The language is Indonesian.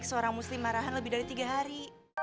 seorang muslim marahan lebih dari tiga hari